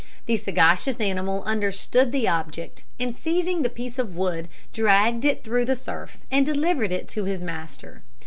The sagacious animal understood the object, and seizing the piece of wood, dragged it through the surf, and delivered it to his master.